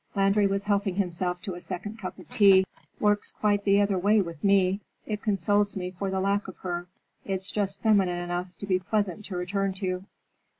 Landry was helping himself to a second cup of tea. "Works quite the other way with me. It consoles me for the lack of her. It's just feminine enough to be pleasant to return to.